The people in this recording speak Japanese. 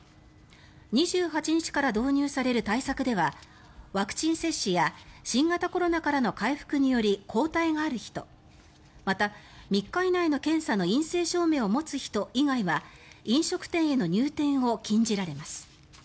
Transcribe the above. ２８日から導入される対策ではワクチン接種や新型コロナからの回復により抗体がある人また、３日以内の検査の陰性証明を持つ人以外は飲食店への入店を禁じられます。